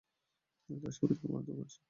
তাই সবাই তাকে মারধর করেছে।